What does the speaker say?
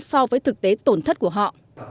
so với thực tế tổn thất của họ